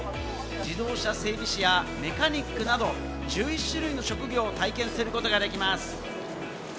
自動車整備士やメカニックなど１１種類の職業を体験することができます。